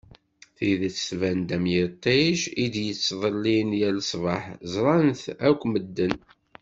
Tidet tban-d am yiṭij i d-yettḍillin yal ṣṣbeḥ ẓran-t akk medden.